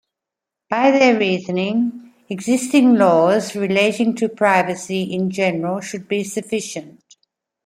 By their reasoning, existing laws relating to privacy in general should be sufficient.